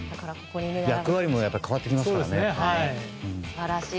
役割も変わってきますからね。